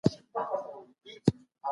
د وطن مینه له ایمان څخه ده.